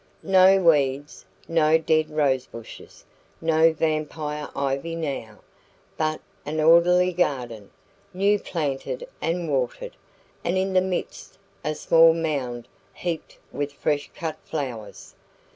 No weeds, no dead rose bushes, no vampire ivy now; but an orderly garden, new planted and watered, and in the midst a small mound heaped with fresh cut flowers.